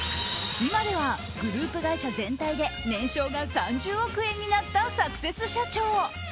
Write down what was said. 今ではグループ会社全体で年商が３０億円になったサクセス社長。